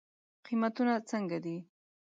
قیمتونه څنګه دی؟